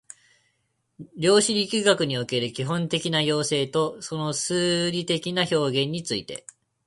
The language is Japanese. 量子力学における基本的な要請とその数理的な表現について